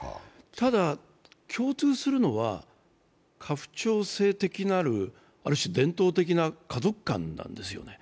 ただ共通するのは家父長制的なるある種、伝統的な家族観なんですよね。